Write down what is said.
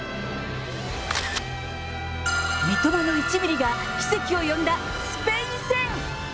三笘の１ミリが奇跡を呼んだスペイン戦。